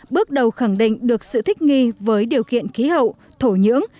bước đầu khẳng định được sự thích nghi với điều kiện khí hậu thổ nhưỡng